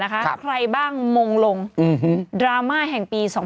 ใครบ้างมงลงดราม่าแห่งปี๒๕๖